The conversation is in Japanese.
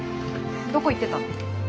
どこ行ってたの？